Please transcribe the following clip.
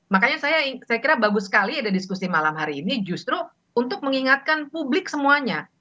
makanya saya kira bagus sekali ada diskusi malam hari ini justru untuk mengingatkan publik semuanya